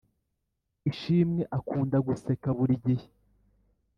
Ishimwe akunda guseka burigihe